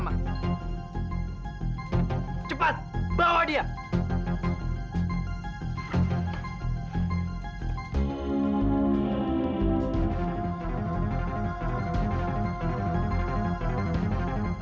tidak ada siapa semua dan tanpa sehargensi